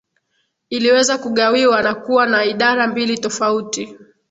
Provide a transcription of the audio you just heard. Iliweza kugawiwa na kuwa na idara mbili tofauti